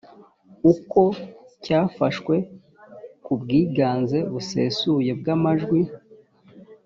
uko cyafashwe ku bwiganze busesuye bw amajwi